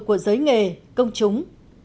của giới nghề công chúng